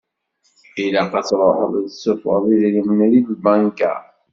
Ilaq ad ṛuḥeɣ ad d-suffɣeɣ idrimen di lbanka.